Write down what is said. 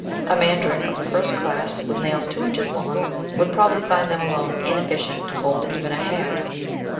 A mandarin of the first class, with nails two inches long, would probably find them alone inefficient to hold even a hare.